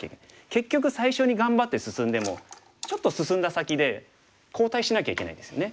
結局最初に頑張って進んでもちょっと進んだ先で後退しなきゃいけないですよね。